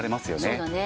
そうだね。